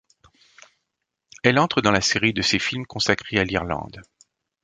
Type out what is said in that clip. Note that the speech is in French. Elle entre dans la série de ses films consacrés à l'Irlande.